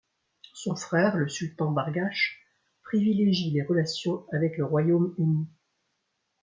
Son frère, le sultan Bargash, privilégie les relations avec le Royaume-Uni.